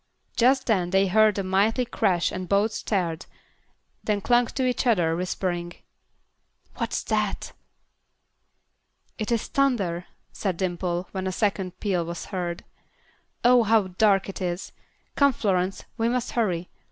Just then they heard a mighty crash and both started, then clung to each other, whispering, "What's that?" "It is thunder," said Dimple, when a second peal was heard. "Oh, how dark it is. Come, Florence; we must hurry.